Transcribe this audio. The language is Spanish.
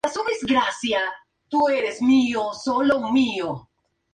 Desde sus inicios se dedicó al mundo del rally donde corrió en diferentes carreras.